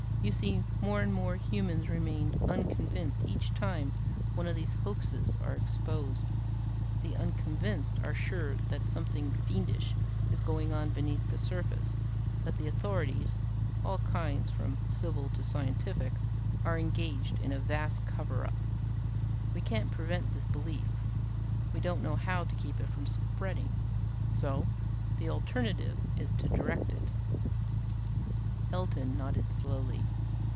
You see, more and more humans remain unconvinced each time one of these hoaxes are exposed. The unconvinced are sure that something fiendish is going on beneath the surface, that the authorities all kinds from civil to scientific are engaged in a vast cover up. We can't prevent this belief; we don't know how to keep it from spreading. So the alternative is to direct it." Elton nodded slowly.